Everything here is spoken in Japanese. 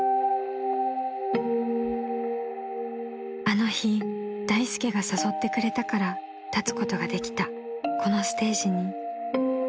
［あの日大助が誘ってくれたから立つことができたこのステージに］